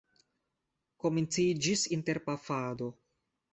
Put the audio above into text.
Komenciĝis interpafado.